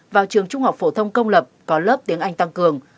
vào trường trung học phổ thông công lập có lớp tiếng anh tăng cường